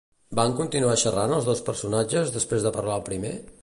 Van continuar xerrant els dos personatges després de parlar el primer?